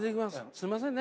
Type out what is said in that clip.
すんませんね。